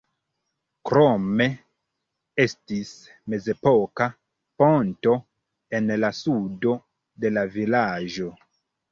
Krome estis mezepoka ponto en la sudo de la vilaĝo.